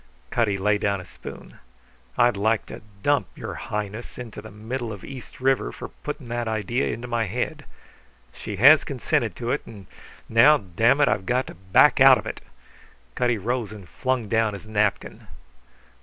Cutty laid down his spoon. "I'd like to dump Your Highness into the middle of East River for putting that idea into my head. She has consented to it; and now, damn it, I've got to back out of it!" Cutty rose and flung down his napkin.